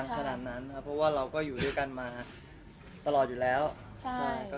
แบบที่เราต้องการเลย